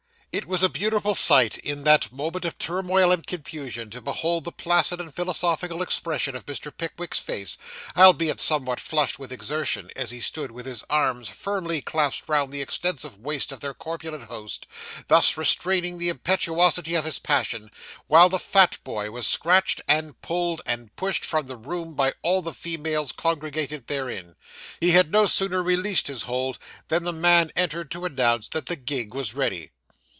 It was a beautiful sight, in that moment of turmoil and confusion, to behold the placid and philosophical expression of Mr. Pickwick's face, albeit somewhat flushed with exertion, as he stood with his arms firmly clasped round the extensive waist of their corpulent host, thus restraining the impetuosity of his passion, while the fat boy was scratched, and pulled, and pushed from the room by all the females congregated therein. He had no sooner released his hold, than the man entered to announce that the gig was ready.